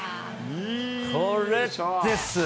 これです。